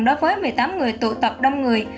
đối với một mươi tám người tụ tập đông người